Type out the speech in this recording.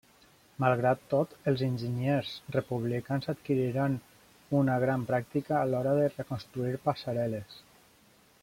Malgrat tot, els enginyers republicans adquiriran una gran pràctica a l'hora de reconstruir passarel·les.